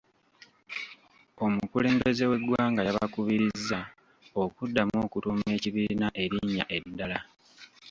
Omukulembeze w'eggwanga yabakubirizza okuddamu okutuuma ekibiina erinnya eddala.